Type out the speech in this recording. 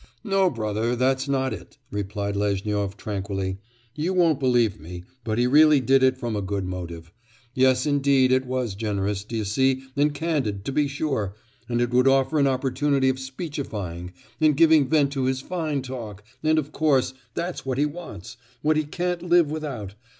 'No, brother, that's not it,' replied Lezhnyov tranquilly; 'you won't believe me, but he really did it from a good motive. Yes, indeed. It was generous, do you see, and candid, to be sure, and it would offer an opportunity of speechifying and giving vent to his fine talk, and, of course, that's what he wants, what he can't live without.